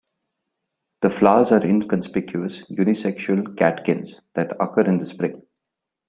The flowers are inconspicuous unisexual catkins that occur in the spring.